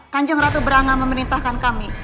kanjeng ratu beranga memerintahkan kami